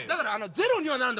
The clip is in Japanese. ゼロにはならん。